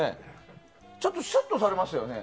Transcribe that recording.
ちょっとシュッとされましたよね。